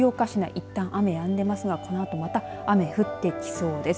いったん雨がやんでいますがこのあとまた雨が降ってきそうです。